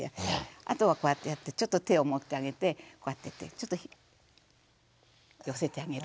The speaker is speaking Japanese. あとはこうやってやってちょっと手を持ってあげてこうやってちょっと寄せてあげる。